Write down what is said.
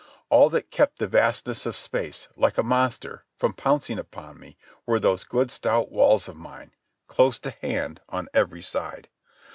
All that kept the vastness of space, like a monster, from pouncing upon me were those good stout walls of mine, close to hand on every side.